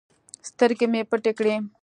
سترگې مې پټې کړې.